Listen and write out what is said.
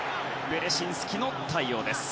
ベレシンスキの対応です。